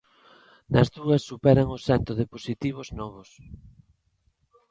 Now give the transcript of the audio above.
Nas dúas superan o cento de positivos novos.